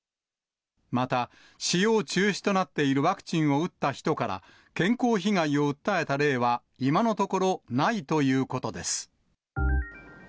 また、使用中止となっているワクチンを打った人から、健康被害を訴えた例は今のところないということです。